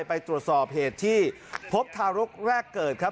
ไปตรวจสอบเหตุที่พบทารกแรกเกิดครับ